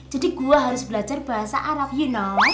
jadi gua harus belajar bahasa arab you know